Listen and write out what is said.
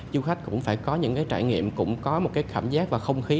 các địa điểm cũng có một cái cảm giác và không khí